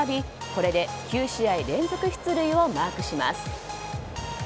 これで９試合連続出塁をマークします。